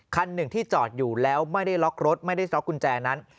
คันหนึ่งที่จอดอยู่แล้วไม่ได้ล็อกรถไม่ได้ล็อกกุญแจนั้น